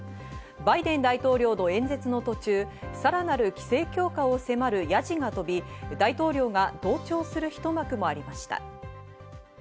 バイデン大統領の演説の途中、さらなる規制強化を迫るやじが飛び、大統領が同調する一幕もありました。